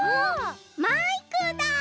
マイクだ。